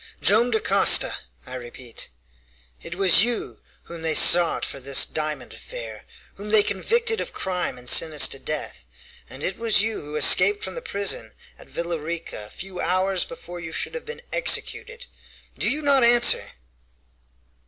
"Joam Dacosta, I repeat! It was you whom they sought for this diamond affair, whom they convicted of crime and sentenced to death, and it was you who escaped from the prison at Villa Rica a few hours before you should have been executed! Do you not answer?"